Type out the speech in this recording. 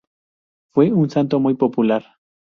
Fue un santo muy popular.